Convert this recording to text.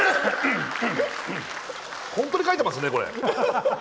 本当に書いてますね、これ。